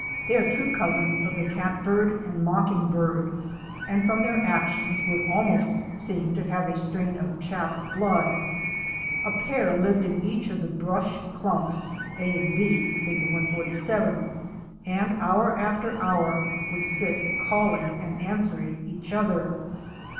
They are true cousins of the Catbird and Mockingbird, and from their actions would almost seem to have a strain of Chat blood! A pair lived in each of the brush clumps a and 6 (Fig. 147) and hour after hour would sit calling and answering each other.